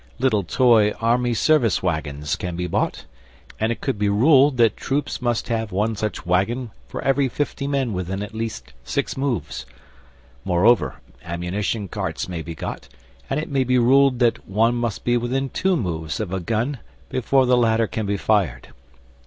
Little toy Army Service waggons can be bought, and it could be ruled that troops must have one such waggon for every fifty men within at least six moves. Moreover, ammunition carts may be got, and it may be ruled that one must be within two moves of a gun before the latter can be fired.